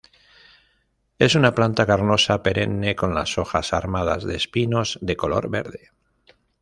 Es una planta carnosa perenne con las hojas armadas de espinos, de color verde.